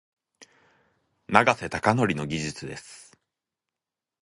永瀬貴規の技術です。